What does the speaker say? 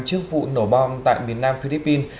trước vụ nổ bom tại miền nam philippines